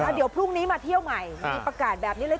เดี๋ยวพรุ่งนี้มาเที่ยวใหม่มีประกาศแบบนี้เลย